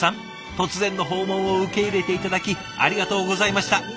突然の訪問を受け入れて頂きありがとうございました。